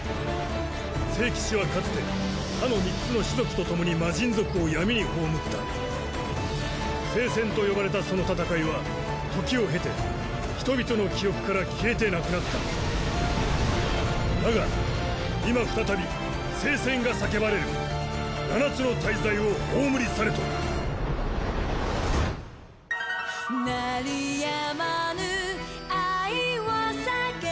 聖騎士はかつて他の三つの種族と共に魔神族を闇に葬った聖戦と呼ばれたその戦いは時を経て人々の記憶から消えてなくなっただが今再び聖戦が叫ばれる七つの大罪を葬り去れとああのバーンってヤツ死んだんじゃ。